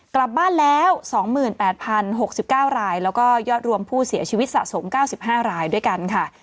กลับบ้านแล้ว๒๘๐๖๙รายแล้วก็ยอดรวมผู้เสียชีวิตสะสม๙๕รายด้วยกันค่ะ